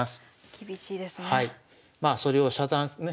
厳しいですね。